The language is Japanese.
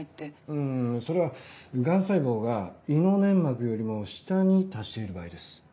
うんそれは癌細胞が胃の粘膜よりも下に達している場合です。